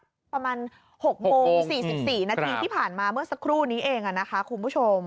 ประมาณ๖โมง๔๔นาทีที่ผ่านมาเมื่อสักครู่นี้เองนะคะคุณผู้ชม